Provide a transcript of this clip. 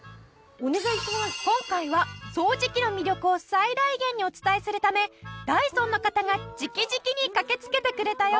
今回は掃除機の魅力を最大限にお伝えするためダイソンの方が直々に駆けつけてくれたよ。